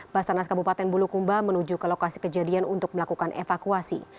basarnas kabupaten bulukumba menuju ke lokasi kejadian untuk melakukan evakuasi